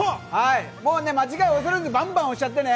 もう間違い恐れずバンバン押しちゃってね。